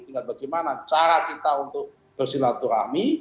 tinggal bagaimana cara kita untuk bersilaturahmi